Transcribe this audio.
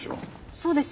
そうです。